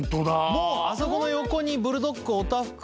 もうあそこの横に「ブルドック」「オタフク」。